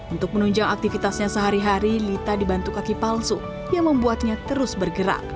untuk menunjang aktivitasnya sehari hari lita dibantu kaki palsu yang membuatnya terus bergerak